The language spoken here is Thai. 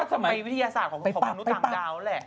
ทำไมวิทยาศาสตร์ของมนุษย์ต่างดาวแหละ